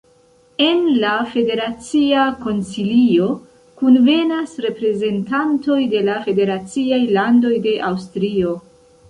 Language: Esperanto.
En la Federacia Konsilio kunvenas reprezentantoj de la federaciaj landoj de Aŭstrio.